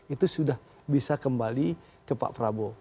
itu sudah bisa kembali ke pak prabowo